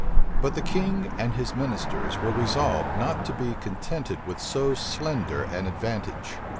But the king and his ministers were resolved not to be contented with so slender an advantage.